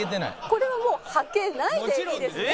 これはもう「はけない」でいいですね？